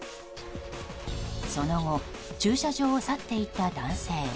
その後駐車場を去っていった男性。